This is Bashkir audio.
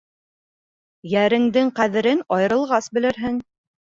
Йәреңдең ҡәҙерен айырылғас белерһең.